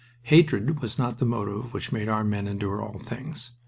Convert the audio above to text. Hatred was not the motive which made our men endure all things.